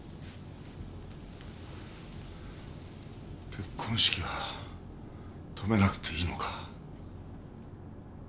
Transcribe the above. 結婚式は止めなくていいのか？